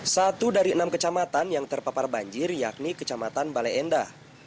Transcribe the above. satu dari enam kecamatan yang terpapar banjir yakni kecamatan bale endah